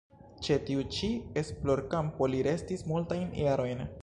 Ĉe tiu ĉi esplorkampo li restis multajn jarojn.